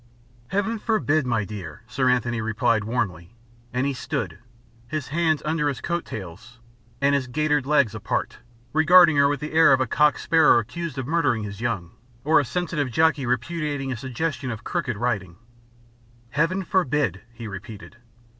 "Heaven forbid, my dear," Sir Anthony replied warmly; and he stood, his hands under his coat tails and his gaitered legs apart, regarding her with the air of a cock sparrow accused of murdering his young, or a sensitive jockey repudiating a suggestion of crooked riding. "Heaven forbid!" he repeated.